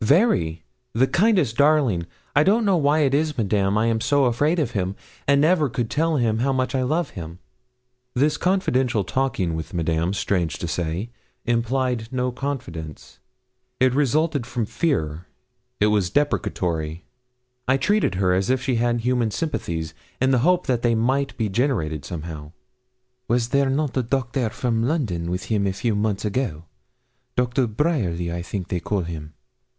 'Very the kindest darling. I don't know why it is, Madame, I am so afraid of him, and never could tell him how much I love him.' This confidential talking with Madame, strange to say, implied no confidence; it resulted from fear it was deprecatory. I treated her as if she had human sympathies, in the hope that they might be generated somehow. 'Was there not a doctor from London with him a few months ago? Dr. Bryerly, I think they call him.'